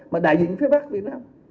mà đại diện phía bắc việt nam